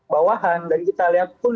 bawahan dan kita lihat pun